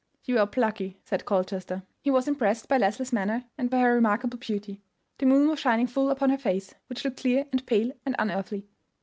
"You are plucky," said Colchester. He was impressed by Leslie's manner and by her remarkable beauty. The moon was shining full upon her face, which looked clear and pale and unearthly.